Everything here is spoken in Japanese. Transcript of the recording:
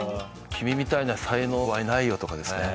君みたいな才能はいないよとかですね。